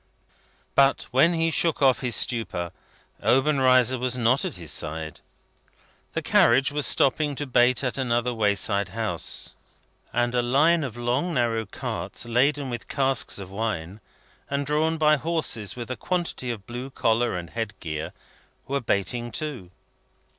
But when he shook off his stupor, Obenreizer was not at his side. The carriage was stopping to bait at another wayside house; and a line of long narrow carts, laden with casks of wine, and drawn by horses with a quantity of blue collar and head gear, were baiting too.